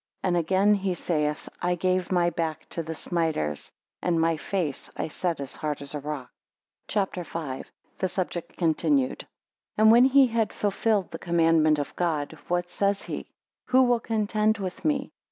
20 And again he saith, I gave my back to the smiters, and my face I set as a hard rock. CHAPTER V. The subject continued. And when he had fulfilled the commandment of God, What says he? Who will contend with me?